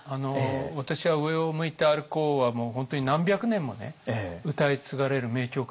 私は「上を向いて歩こう」は本当に何百年も歌い継がれる名曲だと思うんですよ。